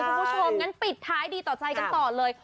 คุณผู้ชมงั้นปิดท้ายดีต่อใจกันต่อเลย